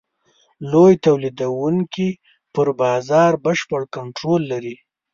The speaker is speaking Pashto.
لوی تولیدوونکي پر بازار بشپړ کنټرول لري.